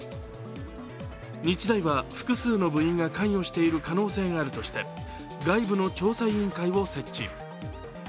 日大は、複数の部員が関与している可能性があるとして、外部の調査委員会を設置。